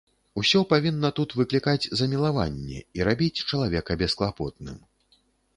Усё павінна тут выклікаць замілаванне і рабіць чалавека бесклапотным.